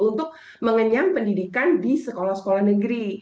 untuk mengenyam pendidikan di sekolah sekolah negeri